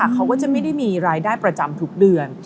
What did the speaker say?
เขาก็จะไม่ได้มีรายได้ประจำทุกเดือน